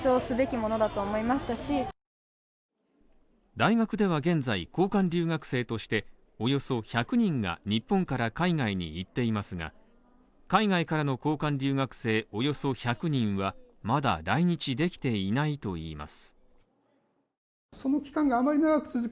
大学では現在、交換留学生として、およそ１００人が日本から海外に行っていますが、海外からの交換留学生およそ１００人はまだ来日できていないといいます。